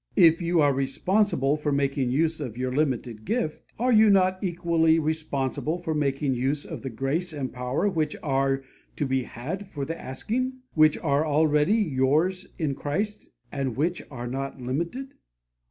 If you are responsible for making use of your limited gift, are you not equally responsible for making use of the grace and power which are to be had for the asking, which are already yours in Christ, and which are not limited?